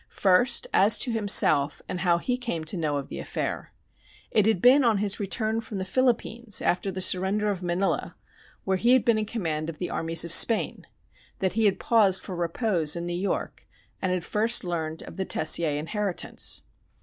First, as to himself and how he came to know of the affair. It had been on his return from the Philippines after the surrender of Manila, where he had been in command of the armies of Spain, that he had paused for repose in New York and had first learned of the Tessier inheritance.